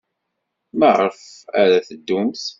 Maɣef ara teddumt?